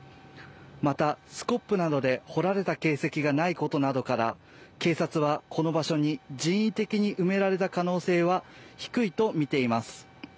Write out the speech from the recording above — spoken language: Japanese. またスコップなどで掘られた形跡がないことなどから警察はこの場所に人為的に埋められた可能性は低いとみています